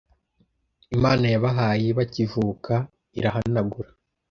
Imana yabahaye bakivuka, irahanagura